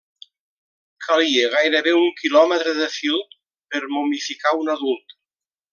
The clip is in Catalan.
Calia gairebé un quilòmetre de fil per momificar un adult.